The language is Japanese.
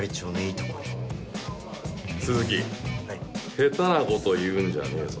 下手なこと言うんじゃねえぞ。